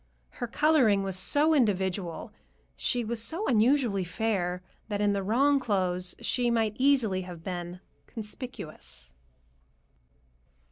Her coloring was so individual, she was so unusually fair, that in the wrong clothes she might easily have been "conspicuous."